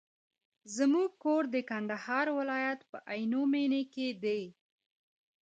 زموږ کور د کندهار ولایت په عينو مېنه کي دی.